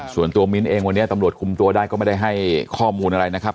มิ้นท์เองวันนี้ตำรวจคุมตัวได้ก็ไม่ได้ให้ข้อมูลอะไรนะครับ